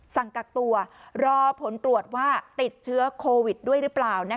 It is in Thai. สั่งกักตัวรอผลตรวจว่าติดเชื้อโควิดด้วยหรือเปล่า